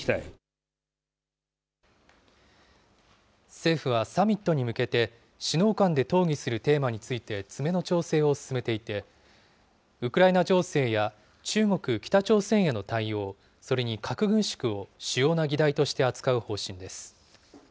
政府はサミットに向けて、首脳間で討議するテーマについて、詰めの調整を進めていて、ウクライナ情勢や中国、北朝鮮への対応、それに核軍縮を主要な議題として扱う方針です。